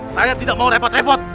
saya tidak mau repot repot